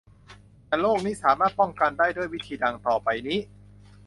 แต่โรคนี้สามารถป้องกันได้ด้วยวิธีดังต่อไปนี้